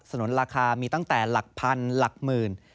นุนราคามีตั้งแต่หลักพันหลักหมื่น